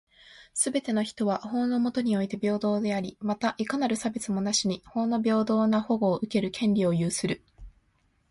すべての人は、法の下において平等であり、また、いかなる差別もなしに法の平等な保護を受ける権利を有する。